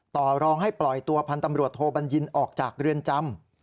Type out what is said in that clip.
ต่อรองให้ปล่อยตัวพันธ์ตำรวจโทบัญญินออกจากเรือนจำ